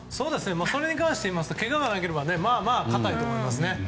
それに関して言いますとけががなければまあまあ固いと思います。